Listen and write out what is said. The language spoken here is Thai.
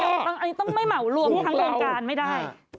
แล้วก็ต้องไม่เหมารวมทั้งโครงการไม่ได้